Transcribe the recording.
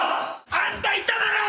あんた言っただろ！